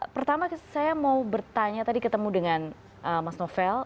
pertama saya mau bertanya tadi ketemu dengan mas novel